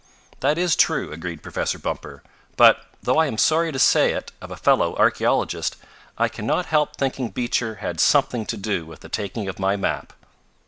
"That is true," agreed Professor Bumper. "But, though I am sorry to say it of a fellow archaelogist, I can not help thinking Beecher had something to do with the taking of my map."